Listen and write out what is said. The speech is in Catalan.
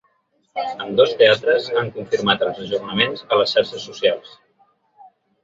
Ambdós teatres han confirmat els ajornaments a les xarxes socials.